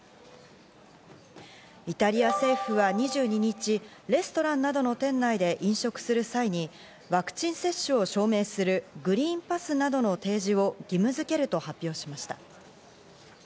イタリア政府は２２日、レストランなどの店内で飲食する際にワクチン接種を証明するグリーンパスなどの提示を義務付けると発表しました。